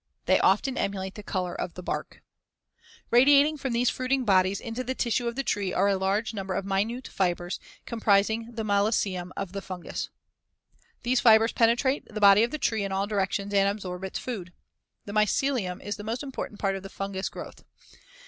They often emulate the color of the bark, Fig. 110. Radiating from these fruiting bodies into the tissues of the tree are a large number of minute fibers, comprising the mycelium of the fungus. These fibers penetrate the body of the tree in all directions and absorb its food. The mycelium is the most important part of the fungous growth.